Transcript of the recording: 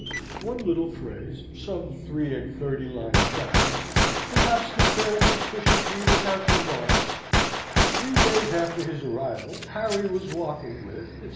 One little phrase, some three and thirty lines back, perhaps the fair and suspicious reader has remarked: "Three days after his arrival, Harry was walking with," etc.